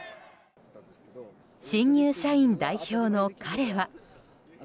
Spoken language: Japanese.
新入社員代表の彼は。